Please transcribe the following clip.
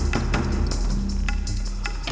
lagi lewat itu